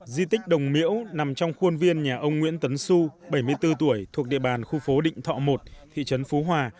di tích đồng miễu nằm trong khuôn viên nhà ông nguyễn tấn xu bảy mươi bốn tuổi thuộc địa bàn khu phố định thọ một thị trấn phú hòa